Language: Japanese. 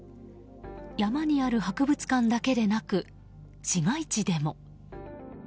山にある博物館だけでなく市街地でも。